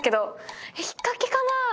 引っ掛けかな？